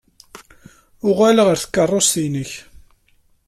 Uɣal ɣer tkeṛṛust-nnek!